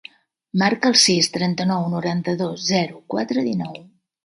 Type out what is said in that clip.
Marca el sis, trenta-nou, noranta-dos, zero, quatre, dinou.